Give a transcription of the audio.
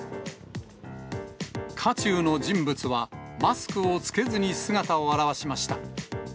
渦中の人物はマスクを着けずに姿を現しました。